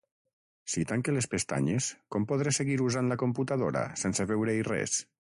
Si tanque les pestanyes, com podré seguir usant la computadora, sense veure-hi res?